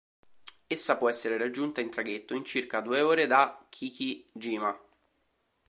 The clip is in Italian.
Essa può essere raggiunta in traghetto in circa due ore da Chichi-jima.